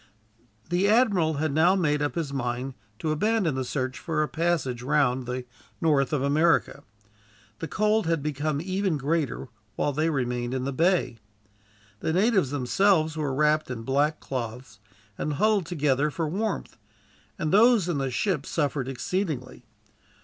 The admiral had now made up his mind to abandon the search for a passage round the north of America. The cold had become even greater, while they remained in the bay. The natives themselves were wrapped in black cloths, and huddled together for warmth; and those in the ship suffered exceedingly.